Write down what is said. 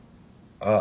ああ。